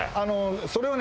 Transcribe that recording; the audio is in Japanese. それはね